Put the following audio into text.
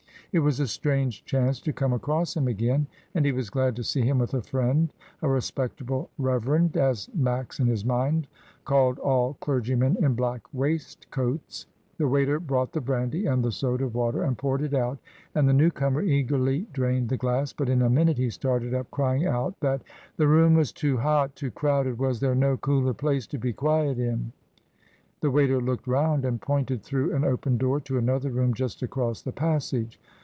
It was a strange chance to come across him again, and he was glad to see him with a friend, "a respectable reverend," as Max in his mind called all clergymen in black waistcoats. The waiter brought the brandy and the soda water Mrs, Dymond. /. 1 3 194 MRS. DYMOND. and poured it out, and the new comer eagerly drained the glass^ but in a minute he started up, crying out that ''the room was too hot, too crowded; was there no cooler place to be quiet in?" The waiter looked round, and pointed through an open door to another room just across the passage.